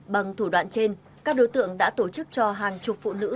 bằng thủ đoạn trên các đối tượng đã tổ chức cho hàng chục phụ nữ